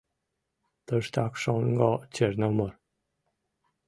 Туштак шоҥго Черномор.